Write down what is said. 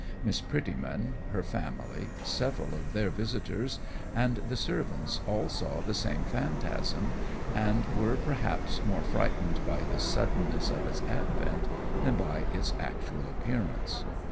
Miss Prettyman, her family, several of their visitors, and the servants all saw the same phantasm, and were, perhaps, more frightened by the suddenness of its advent than by its actual appearance.